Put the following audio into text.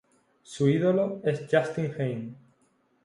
Su ídolo es Justine Henin.